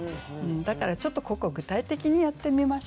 だからちょっとここは具体的にやってみましょう。